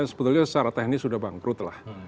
sebetulnya secara teknis sudah bangkrut lah